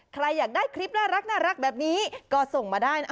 ใครอยากได้คลิปน่ารักแบบนี้ก็ส่งมาได้นะ